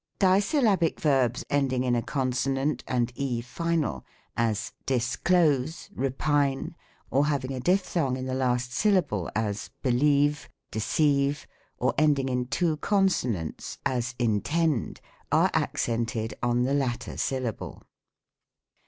Dissyllabic verbs ending in a consonant and e final, as " Disclose," " repine," or having a dipthong in the last syllable, as, "Believe," "deceive," or ending in two consonants, as " Intend," are accented on the latv^r syllable.